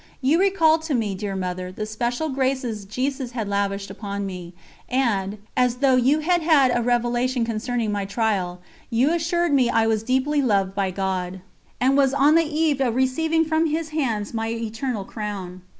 You recalled to me, dear Mother, the special graces Jesus had lavished upon me, and, as though you had had a revelation concerning my trial, you assured me I was deeply loved by God, and was on the eve of receiving from His Hands my eternal crown.